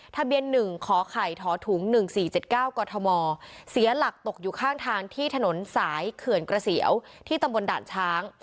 ทะเบียนหนึ่งคอไข่ท้อถุงหนึ่งสี่เจ็ดเก้ากอทมเสียหลักตกอยู่ข้างทางที่ถนนสายเขื่อนกระเสียวที่ตำบนด่านช้าง